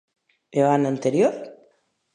¿E o ano anterior?